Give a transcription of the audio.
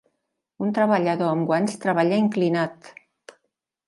Un treballador amb guants treballa inclinat